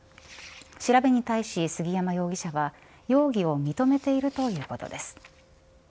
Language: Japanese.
調べに対し杉山容疑者は容疑を認めているということです。